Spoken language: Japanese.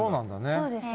そうですね。